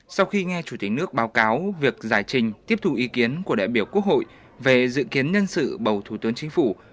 sau khi nghe chủ tịch nước báo cáo việc giải trình tiếp thu ý kiến của đại biểu quốc hội về dự kiến nhân sự bầu thủ tướng chính phủ